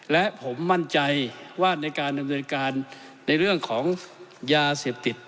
และผมมั่นใจว่าในการดำเนินการในเรื่องของยาเสพติด